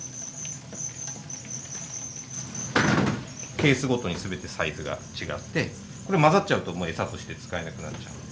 ケースごとに全てサイズが違ってこれ混ざっちゃうともう餌として使えなくなっちゃう。